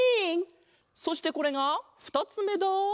そしてこれがふたつめだ！